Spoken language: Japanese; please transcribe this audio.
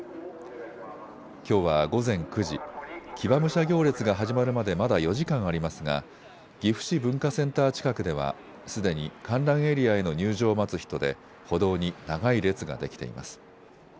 きょうは午前９時、騎馬武者行列が始まるまでまだ４時間ありますが岐阜市文化センター近くではすでに観覧エリアへの入場を待つ人で歩道に長い列ができています。